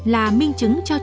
là minh chứng cho chúng ta